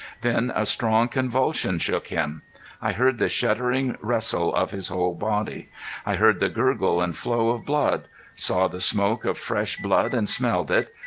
Then a strong convulsion shook him. I heard the shuddering wrestle of his whole body. I heard the gurgle and flow of blood. Saw the smoke of fresh blood and smelled it!